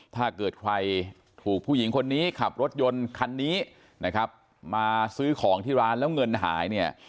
ถ้าเกิดใครถูกผู้หญิงคนนี้ขับรถยนต์คันนี้นะครับมาซื้อของที่ร้านแล้วเงินหายเนี่ย